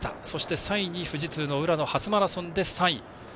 そして３位に富士通の浦野初マラソンで３位。